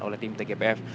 oleh tim tgpf